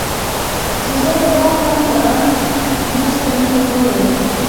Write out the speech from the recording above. چي زه راغلم ياران نسته مېني توري